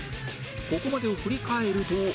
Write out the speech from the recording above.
ここまでを振り返ると